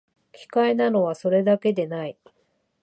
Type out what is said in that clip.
奇怪なのは、それだけでない